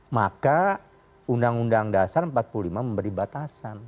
maka undang undang dasar empat puluh lima memberi batasan